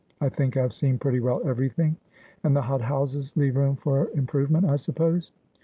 I think I've seen pretty well everything.' ' And the hot houses leave room for improvement, I sup pose